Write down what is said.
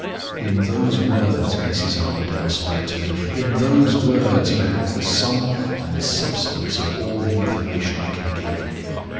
In those words Mrs. Armadale spoke to me; in those words you have the sum and substance of all the information I can give.